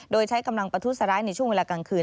โดยใช้กำลังประทุษร้ายในช่วงเวลากลางคืน